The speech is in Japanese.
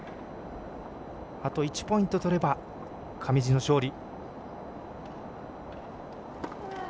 あと１ポイント取れば上地の勝利。